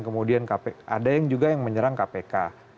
kemudian ada yang juga yang menyerang kpk